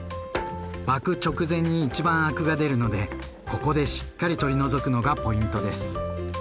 沸く直前に一番アクが出るのでここでしっかり取り除くのがポイントです。